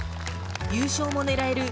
優勝も狙える